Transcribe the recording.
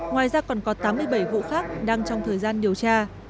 ngoài ra còn có tám mươi bảy vụ khác đang trong thời gian điều tra